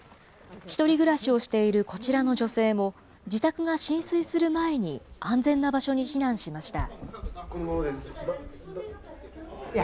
１人暮らしをしているこちらの女性も、自宅が浸水する前に安全な場所に避難しました。